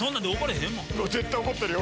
絶対怒ってるよ！